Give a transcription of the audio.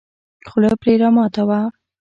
خوله پرې راماته وه.